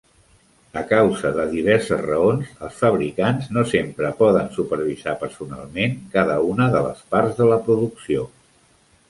A causa de diverses raons, els fabricants no sempre poden supervisar personalment cada una de les parts de la producció.